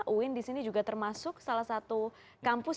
uin disini juga termasuk salah satu kampus